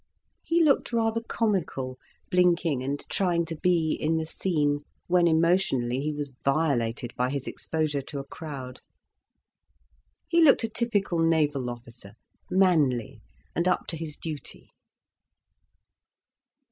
He looked rather comical, blinking and trying to be in the scene, when emotionally he was violated by his exposure to a crowd. He looked a typical naval officer, manly, and up to his duty.